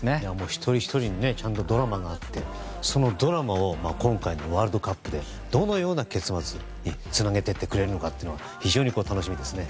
一人ひとりにちゃんとドラマがあってそのドラマを今回のワールドカップでどのような結末につなげていってくれるのか非常に楽しみですね。